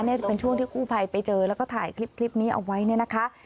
จะเป็นช่วงที่กู้ภัยไปเจอแล้วก็ถ่ายคลิปนี้เอาไว้เนี่ยนะคะ